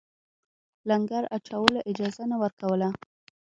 لنګر اچولو اجازه نه ورکوله.